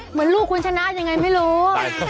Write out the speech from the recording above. เหมือนลูกคุณชนะยังไงไม่รู้